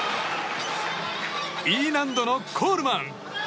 Ｅ難度のコールマン。